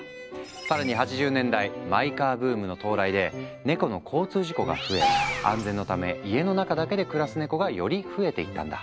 更に８０年代マイカーブームの到来でネコの交通事故が増え安全のため家の中だけで暮らすネコがより増えていったんだ。